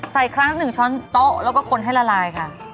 ครั้งละ๑ช้อนโต๊ะแล้วก็คนให้ละลายค่ะ